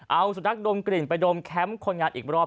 เอาสุนัขดมกลิ่นไปดมแคมป์คนงานอีกรอบ